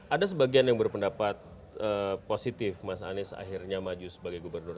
ada sebagian yang berpendapat positif mas anies akhirnya maju sebagai gubernur